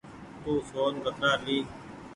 تو سون ڪترآ لي۔